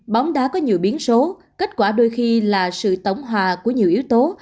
bóng đá có nhiều biến số kết quả đôi khi là sự tổng hòa của nhiều yếu tố